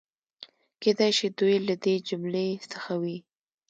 کېدای شي دوی له دې جملې څخه وي.